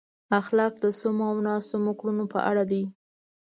اخلاق د سمو او ناسم کړنو په اړه دي.